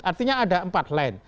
artinya ada empat lane